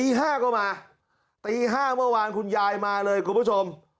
ตีห้าเข้ามาตีห้าเมื่อวานคุณยายมาเลยคุณผู้ชม